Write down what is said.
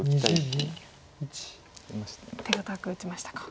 手堅く打ちましたか。